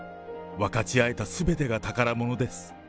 分かち合えたすべてが宝物です。